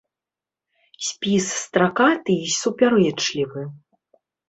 Спіс стракаты і супярэчлівы.